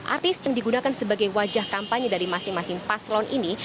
artis yang digunakan sebagai wajah kampanye dari masing masing paslon ini